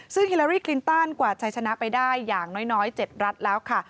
ซึ่งฮิลารี่คลินตันกว่าชัยชนะไปได้อย่างน้อย๗รัฐแล้วค่ะ